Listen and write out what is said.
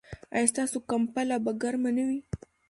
ایا ستاسو کمپله به ګرمه نه وي؟